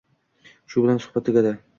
Shu bilan suhbat tugadi